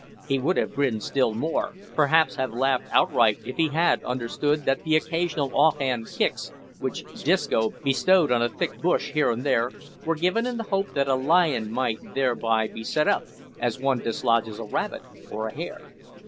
He would have grinned still more, perhaps have laughed outright if he had understood that the occasional off hand kicks which Disco bestowed on a thick bush here and there, were given in the hope that a lion might thereby be set up, as one dislodges a rabbit or a hare!